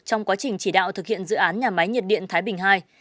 trong quá trình chỉ đạo thực hiện dự án nhà máy nhiệt điện thái bình ii